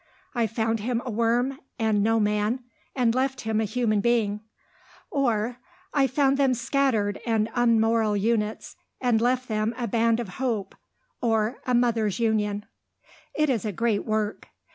I found him a worm and no man, and left him a human being," or, "I found them scattered and unmoral units, and left them a Band of Hope, or a Mothers' Union." It is a great work.